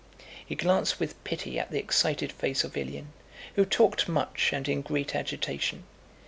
He glanced with pity at the excited face of Ilyín, who talked much and in great agitation.